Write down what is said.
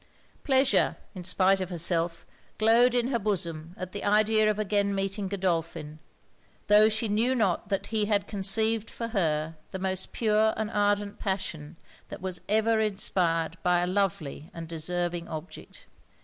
Pleasure, in spite of herself, glowed in her bosom at the idea of again meeting Godolphin; tho' she knew not that he had conceived for her the most pure and ardent passion that was ever inspired by a lovely and deserving object.